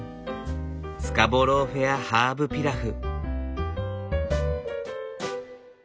スカボロー・フェアハーブピラフ。